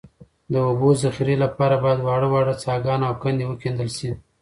د اوبو د ذخیرې لپاره باید واړه واړه څاګان او کندې وکیندل شي